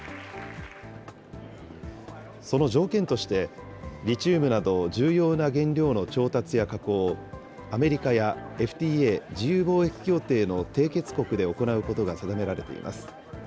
その条件として、リチウムなど重要な原料の調達や加工を、アメリカやＦＴＡ・自由貿易協定の締結国で行うことが定められています。